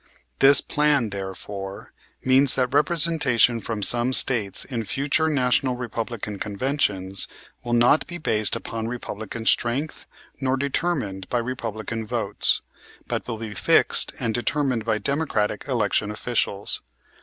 This plan, therefore, means that representation from some States in future National Republican Conventions will not be based upon Republican strength, nor determined by Republican votes, but will be fixed and determined by Democratic election officials.